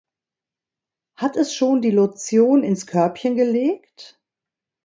Hat es schon die Lotion ins Körbchen gelegt?